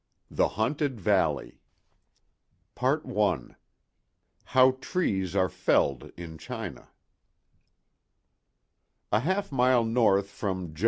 THE HAUNTED VALLEY I HOW TREES ARE FELLED IN CHINA A HALF MILE north from Jo.